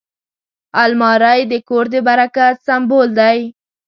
الماري د کور د برکت سمبول دی